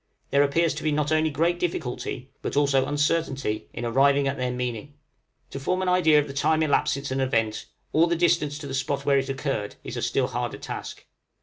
There appears to be not only great difficulty, but also uncertainty, in arriving at their meaning; to form an idea of the time elapsed since an event, or the distance to the spot where it occurred, is a still harder task.